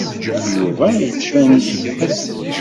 Yuba yettban-d yebhet.